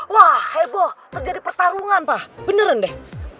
wah heboh terjadi pertarungan wah beneran deh